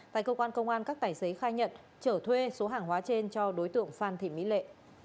tại cơ quan công an các tài xế khai nhận trở thuê số hàng hóa trên cho đối tượng phan thị mỹ lệ